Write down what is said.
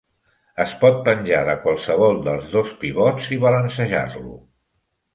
Es pot penjar de qualsevol dels dos pivots i balancejar-lo.